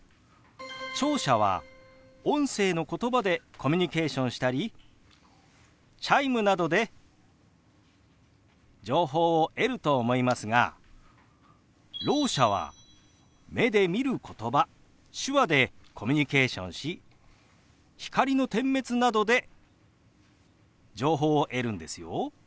聴者は音声のことばでコミュニケーションしたりチャイムなどで情報を得ると思いますがろう者は目で見ることば手話でコミュニケーションし光の点滅などで情報を得るんですよ。